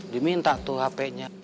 diminta tuh hpnya